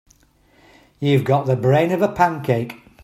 You've got the brain of a pancake.